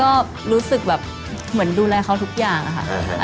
ก็รู้สึกแบบดูแลเขาทุกอย่างนะฮะ